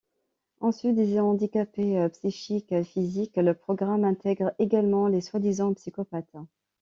En sus des handicapés psychiques et physiques, le programme intègre également les soi-disant psychopathes.